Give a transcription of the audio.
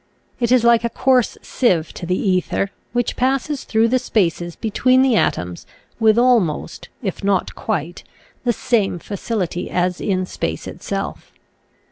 It is like a coarse sieve to the ether, which passes through the spaces between the atoms with almost, if not quite, the same facil ity as in space itself.